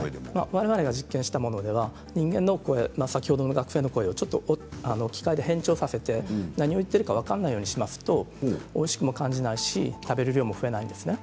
われわれが実験したものでは人間の声、先ほどの学生の声を機械で変調させて何を言っているか分からないようにしますとおいしくも感じないし食べる量も増えないんです。